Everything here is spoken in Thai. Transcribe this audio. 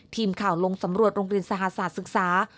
ทีมข่าวลงสำรวจโรงเรียนสหศาสตร์ศึกษา